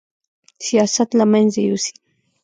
سیاست له منځه یوسي